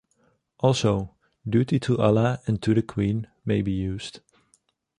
Also, "...duty to Allah and to the Queen" may be used.